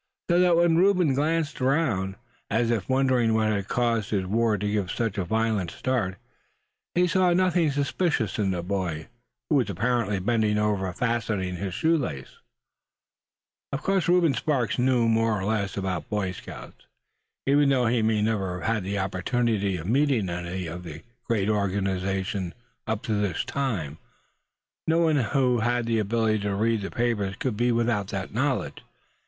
So that when Reuben glanced round, as if wondering what had caused his ward to give such a violent start, he saw nothing suspicious in the boy who was apparently bending over, fastening his shoestring. Of course Reuben Sparks knew more or less about Boy Scouts, even though he may never have had the opportunity of meeting any of the great organization up to this time. No one who had the ability to read the papers could be without that knowledge.